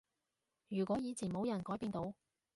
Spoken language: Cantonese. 如果以前冇人改變到